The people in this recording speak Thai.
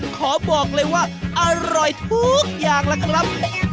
ขอบอกเลยว่าอร่อยทุกอย่างล่ะครับ